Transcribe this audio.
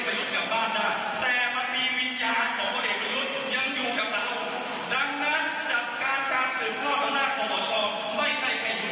เพื่อไปเปิดทางให้มีการเลือกความสำราบร้ารัฐธรรมนูนที่มาจากเจราชาญชน